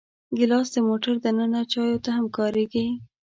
ګیلاس د موټر دننه چایو ته هم کارېږي.